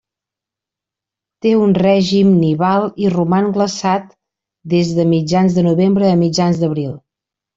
Té un règim nival i roman glaçat des de mitjans de novembre a mitjans d'abril.